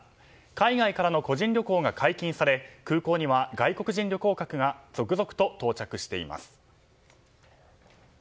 海外からの個人旅行が解禁され空港には外国人旅行客が続々と到着しています。